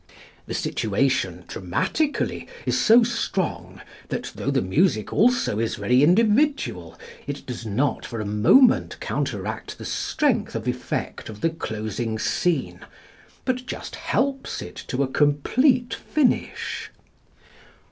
The situation, dramatically, is so strong that, though the music also is very individual, it does not for a moment counteract the strength of effect of the closing scene, but just helps it to a complete finish.